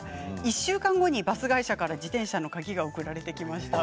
１週間後にバス会社から自転車の鍵が送られてきました。